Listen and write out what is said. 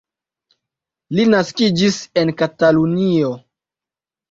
Li naskiĝis en Katalunio.